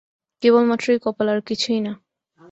কেবলমাত্রই কপাল, আর-কিছুই না!